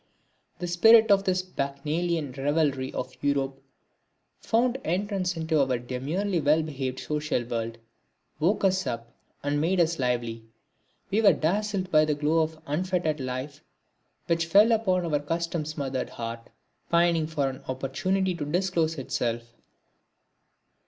The spirit of this bacchanalian revelry of Europe found entrance into our demurely well behaved social world, woke us up, and made us lively. We were dazzled by the glow of unfettered life which fell upon our custom smothered heart, pining for an opportunity to disclose itself.